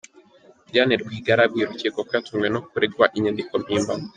Diane Rwigara yabwiye urukiko ko yatunguwe no kuregwa inyandiko mpimbano.